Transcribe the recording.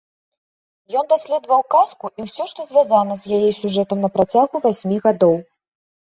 Ён даследаваў казку і ўсё, што звязана з яе сюжэтам, на працягу васьмі гадоў.